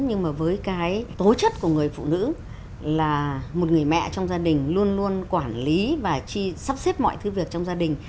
nhưng mà với cái tố chất của người phụ nữ là một người mẹ trong gia đình luôn luôn quản lý và sắp xếp mọi thứ việc trong gia đình